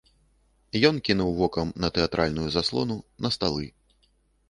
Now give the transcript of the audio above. Ён кінуў вокам на тэатральную заслону, на сталы.